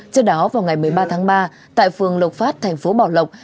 trước đó vào ngày một mươi ba tháng ba tại phường lộc phát thành phố bảo lộc